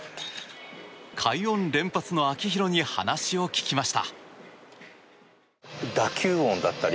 快音連発の秋広に話を聞きました。